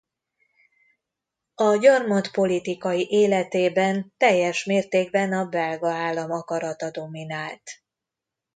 A gyarmat politikai életében teljes mértékben a belga állam akarata dominált.